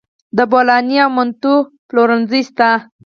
د بولاني او منتو پلورنځي شته